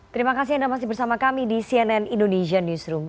terima kasih anda masih bersama kami di cnn indonesia newsroom